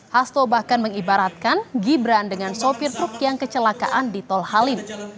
hasto bahkan mengibaratkan gibran dengan sopir truk yang kecelakaan di tol halim